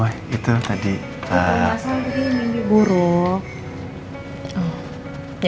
oh ini siapa tadi bacohnya